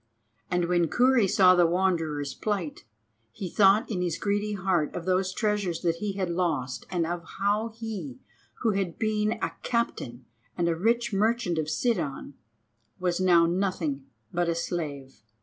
And when Kurri saw the Wanderer's plight, he thought in his greedy heart of those treasures that he had lost, and of how he who had been a captain and a rich merchant of Sidon was now nothing but a slave.